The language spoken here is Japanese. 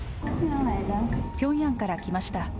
ピョンヤンから来ました。